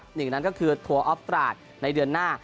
หนึ่งนั้นก็คือทัวร์ออฟตราดในเดือนหน้า